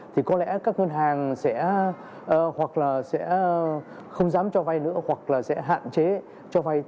thì có lẽ các ngân hàng sẽ không dám cho vay nữa hoặc là sẽ hạn chế cho vay